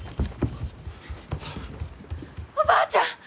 おばあちゃん！